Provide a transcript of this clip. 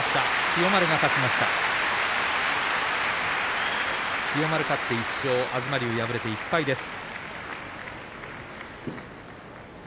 千代丸勝って１勝東龍、敗れて１敗です。